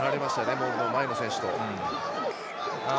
モールの前の選手と。